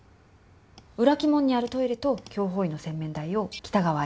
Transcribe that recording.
裏鬼門にあるトイレと凶方位の洗面台を北側へ。